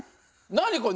何これ？